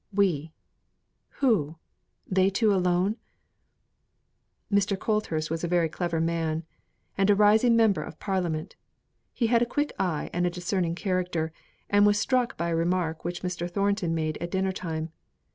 "We!" Who? They two alone? Mr. Colthurst was a very clever man, and a rising member of Parliament. He had a quick eye at discerning character, and was struck by a remark which Mr. Thornton made at dinner time.